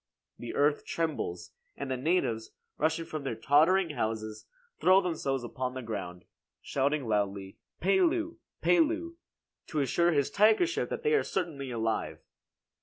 The earth trembles, and the natives, rushing from their tottering houses throw themselves upon the ground, shouting loudly "Pelu! Pelu!" to assure his tigership that they are certainly alive.